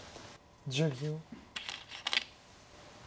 １０秒。